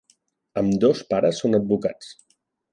Ambdós pares són advocats.